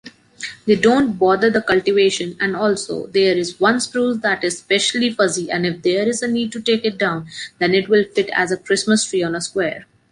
They don't bother the cultivation and also, there is one spruce that is especially fuzzy and if there is a need to take it down, then it will fit as a Christmas tree on a square.